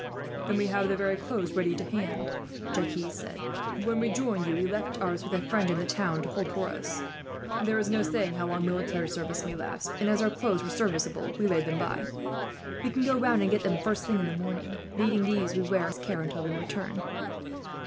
"Then we have the very clothes ready to hand," Jacques said. "When we joined you, we left ours with a friend in the town, to hold for us. There is no saying how long military service may last and, as our clothes were serviceable, we laid them by. We can go round and get them, the first thing in the morning; leaving these we wear in his care, until we return."